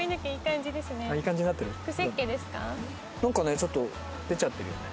なんかねちょっと出ちゃってるよね。